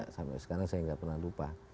sampai sekarang saya nggak pernah lupa